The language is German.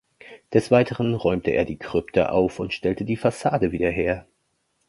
Des Weiteren räumte er die Krypta auf und stellte die Fassade wieder her.